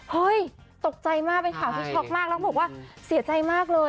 เฮ้ยตกใจมากเป็นข่าวที่ช็อกมากแล้วก็บอกว่าเสียใจมากเลย